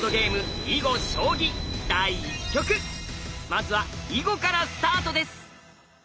まずは囲碁からスタートです。